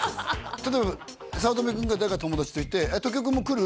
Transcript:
例えば早乙女君が誰か友達といて「時生君も来る？」